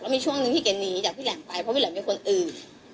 มีช่วงหนึ่งที่เก๋หนีจากพี่แหลมไปเพราะพี่แหลมมีคนอื่น